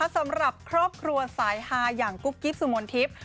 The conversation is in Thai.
สำหรับครอบครัวสายฮาอย่างกุ๊บกิ๊บสุมนทิพย์